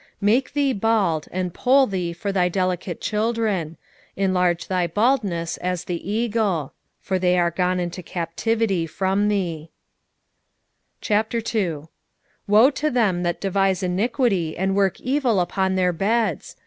1:16 Make thee bald, and poll thee for thy delicate children; enlarge thy baldness as the eagle; for they are gone into captivity from thee. 2:1 Woe to them that devise iniquity, and work evil upon their beds!